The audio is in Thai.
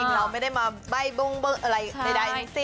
เราไม่ได้มาใบ้เบิ้งอะไรใด